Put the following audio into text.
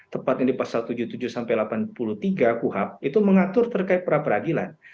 tepatnya di pasal tujuh puluh tujuh sampai delapan puluh tiga kuhap itu mengatur terkait peradilan